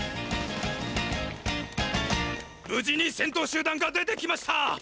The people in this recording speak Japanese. ぶじに先頭集団が出てきました。